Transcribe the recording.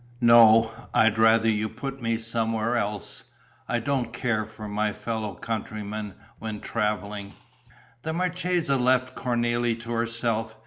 "No, I'd rather you put me somewhere else; I don't care for my fellow countrymen when travelling." The marchesa left Cornélie to herself.